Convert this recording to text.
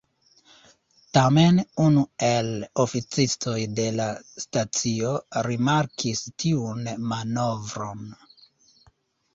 Tamen unu el oficistoj de la stacio rimarkis tiun manovron.